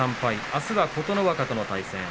あすは琴ノ若との対戦。